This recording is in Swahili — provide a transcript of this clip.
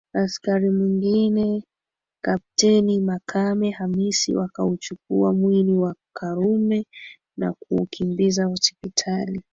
Askari mwingine Kapteni Makame Hamis wakauchukua mwili wa Karume na kuukimbiza hospitali